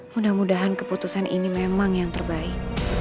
mudah mudahan keputusan ini memang yang terbaik